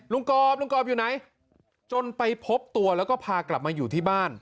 กรอบลุงกรอบอยู่ไหนจนไปพบตัวแล้วก็พากลับมาอยู่ที่บ้าน